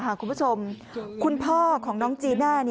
คุณผ้าคุณผู้ชมคุณของน้องจีน่า